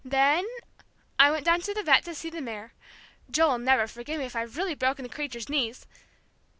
then I went down with the vet to see the mare. Joe'll never forgive me if I've really broken the creature's knees!